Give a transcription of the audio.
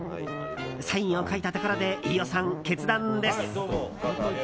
サインを書いたところで飯尾さん、決断です。